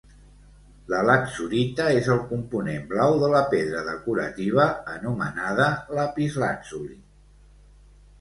La latzurita és el component blau de la pedra decorativa anomenada lapislàtzuli.